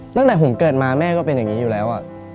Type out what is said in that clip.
ตั้งแต่ผมเกิดมาแม่ก็เป็นอย่างนี้อยู่แล้ว